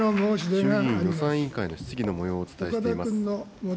衆議院予算委員会の質疑のもようをお伝えしています。